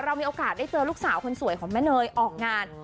มีโอกาสได้เจอลูกสาวคนสวยของแม่เนยออกงาน